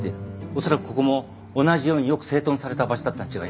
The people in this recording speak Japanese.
恐らくここも同じようによく整頓された場所だったに違いない。